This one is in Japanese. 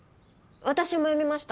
私も読みました。